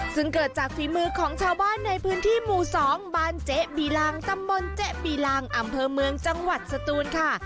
ซึ่งเกิดจากฝีมือของชาวบ้านในพื้นที่หมู่๒บ้านเจ๊บีรังตำบลเจ๊ปีลังอำเภอเมืองจังหวัดสตูนค่ะ